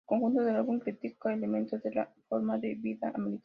El conjunto del álbum critica elementos de la forma de vida americana.